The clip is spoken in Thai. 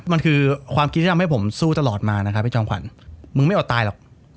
มันคือความคิดที่ทำให้ผมสู้ตลอดมานะครับพี่จอมขวัญมึงไม่อดตายหรอก